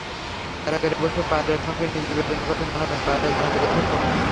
কারাগারে বসে পায়রার সঙ্গে নিজের বেদনার কথা জানাবেন, পায়রা জানাবে দেশের খবর।